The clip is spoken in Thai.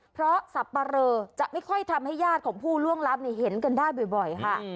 เพราะสับปะเรอจะไม่ค่อยทำให้ญาติของผู้ล่วงลับเห็นกันได้บ่อยค่ะ